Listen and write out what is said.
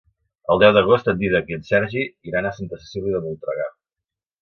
El deu d'agost en Dídac i en Sergi iran a Santa Cecília de Voltregà.